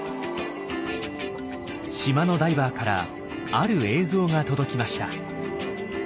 島のダイバーからある映像が届きました。